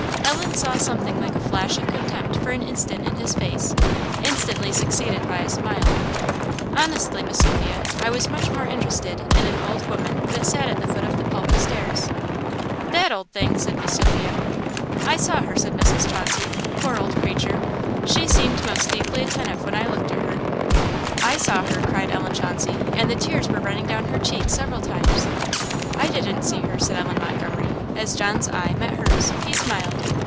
Ellen saw something like a flash of contempt for an instant in his face, instantly succeeded by a smile. "Honestly, Miss Sophia, I was much more interested in an old woman that sat at the foot of the pulpit stairs." "That old thing!" said Miss Sophia. "I saw her," said Mrs. Chauncey; "poor old creature! she seemed most deeply attentive when I looked at her." "I saw her!" cried Ellen Chauncey "and the tears were running down her cheeks several times." "I didn't see her," said Ellen Montgomery, as John's eye met hers. He smiled.